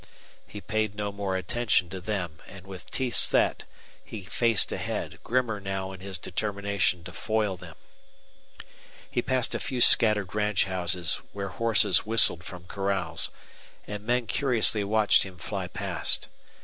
He paid no more attention to them, and with teeth set he faced ahead, grimmer now in his determination to foil them. He passed a few scattered ranch houses where horses whistled from corrals, and men curiously watched him fly past.